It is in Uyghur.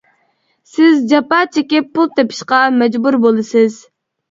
سىز جاپا چېكىپ پۇل تېپىشقا مەجبۇر بولىسىز.